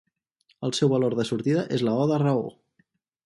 El seu valor de sortida és la o de raó.